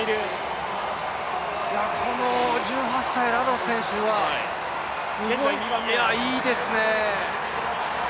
この１８歳、ラロス選手はいいですね。